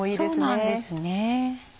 そうなんですね。